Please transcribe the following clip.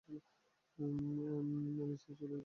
Alicia চুলোয় যাক।